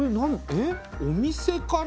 えっお店かな？